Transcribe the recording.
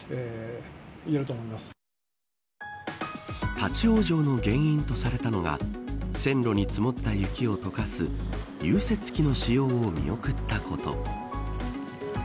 立ち往生の原因とされたのが線路に積もった雪を溶かす融雪器の使用を見送ったこと。